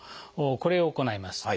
これを行います。